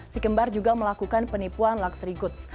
si kembar juga melakukan penipuan laksri goods